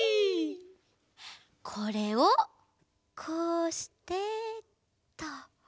これをこうしてっと。